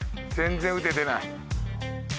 全然打ててない。